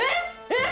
えっ！